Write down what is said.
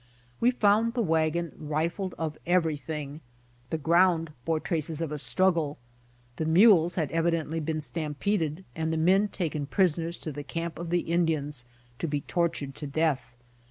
We found the wagon rifled of everything. The ground bore traces of a struggle. The mules had evidently been stampeded and the men taken prisoners to the camp of the Indians to be tortured to death.